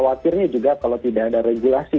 khawatirnya juga kalau tidak ada regulasi